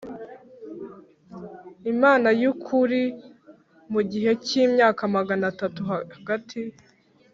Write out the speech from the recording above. Imana yukuri mu gihe cy imyaka magana atatu Hagati